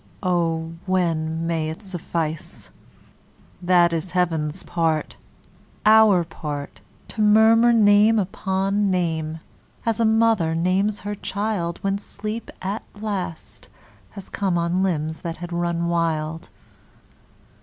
O when may it suffice? That is heaven's part, our part To murmur name upon name, As a mother names her child When sleep at last has come On limbs that had run wild.